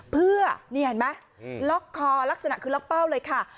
เพื่อนี่เห็นไหมล็อกคอลักษณะคือล็อกเป้าเลยค่ะ